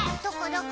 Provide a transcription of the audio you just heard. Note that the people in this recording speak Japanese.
どこ？